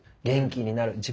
元気になる。